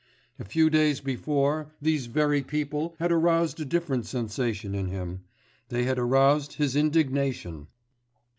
A few days before, these very people had aroused a different sensation in him; they had aroused his indignation.